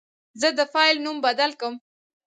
زه د فایل نوم بدل کوم.